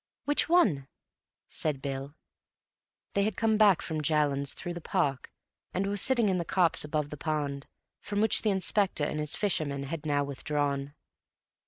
"Which one?" said Bill. They had come back from Jallands through the park and were sitting in the copse above the pond, from which the Inspector and his fishermen had now withdrawn.